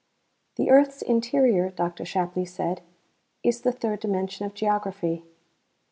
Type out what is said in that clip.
The earth's interior, Dr. Shapley said, is the "third dimension" of geography.